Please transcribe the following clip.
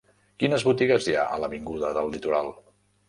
Quines botigues hi ha a l'avinguda del Litoral?